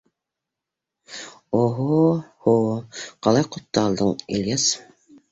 — Оһо-һо, ҡалай ҡотто алдың, Ильяс!